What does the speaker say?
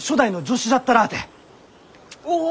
おお！